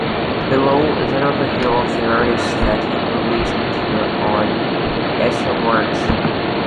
Below is an overview of the artists that have released material on Astralwerks.